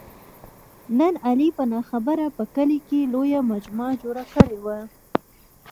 نن علي په نه خبره په کلي لویه مجمع جوړه کړې وه.